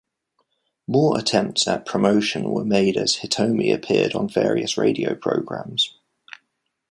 More attempts at promotion were made as Hitomi appeared on various radio programs.